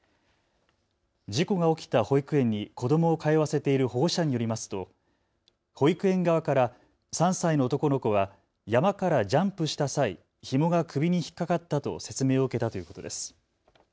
事故が起きた保育園に子どもを通わせている保護者によりますと保育園側から３歳の男の子は山からジャンプした際、ひもが首に引っ掛かったと説明を受けたということです。